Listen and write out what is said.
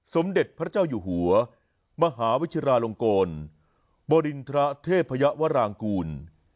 สมเด็จพระเจ้าอยู่หัวมหาวิชิราลงกลบริณฑระเทพยวรางกูล